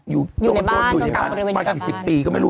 อยู่ในบ้านมากี่สิบปีก็ไม่รู้